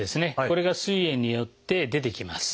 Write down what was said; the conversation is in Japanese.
これがすい炎によって出てきます。